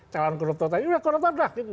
calon korupto tadi udah korupto udah